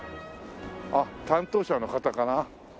あっ担当者の方かな？